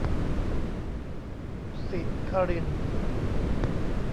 ศิครินทร์